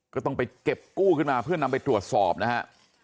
ก็ต้องไปเก็บกู้ขึ้นมาเพื่อนำไปตรวจสอบนะฮะ